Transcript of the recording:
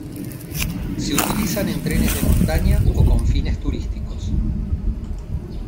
Se utilizan en trenes de montaña o con fines turísticos.